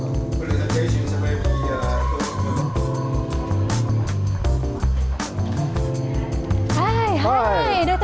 selamat pagi dok